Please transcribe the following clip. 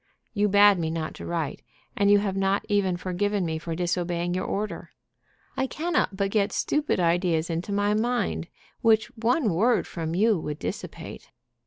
You bade me not to write, and you have not even forgiven me for disobeying your order. I cannot but get stupid ideas into my mind, which one word from you would dissipate.